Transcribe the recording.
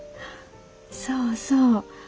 そうそう。